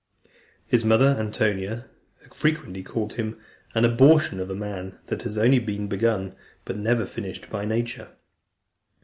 His mother, Antonia, frequently called him "an abortion of a man, that had been only begun, but never finished, by nature."